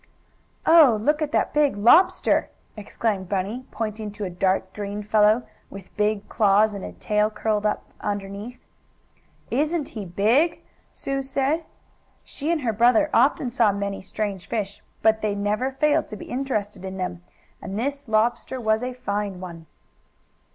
"Oh, look at that big lobster!" exclaimed Bunny, pointing to a dark green fellow, with big claws, and a tail curled up underneath. "Isn't he big!" Sue said. She and her brother often saw many strange fish, but they never failed to be interested in them, and this lobster was a fine one.